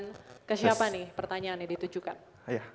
ke siapa nih pertanyaannya ditujukan